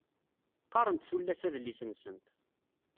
Qqarent tullas adlis-nsent.